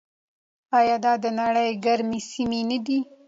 آیا دا د نړۍ ګرمې سیمې نه دي؟